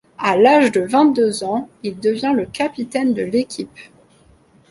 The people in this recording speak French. À l'âge de vingt-deux ans, il devient le capitaine de l'équipe.